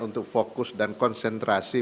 untuk fokus dan konsentrasi